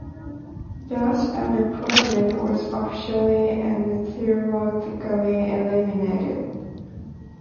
Thus unemployment was officially and theoretically eliminated.